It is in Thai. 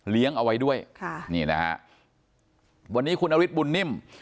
เลี้ยงเอาไว้ด้วยค่ะนี่นะฮะวันนี้คุณอริสต์บุญนิม